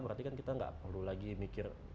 berarti kan kita nggak perlu lagi mikir